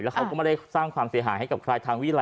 และเขาก็ไม่ได้สร้างความเสียหาให้กับใคร